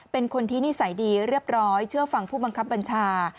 เป็นคนที่นิสัยดีเรียบร้อยเชื่อฟังผู้บังคับบัญชา